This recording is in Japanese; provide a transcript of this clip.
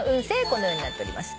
このようになっております。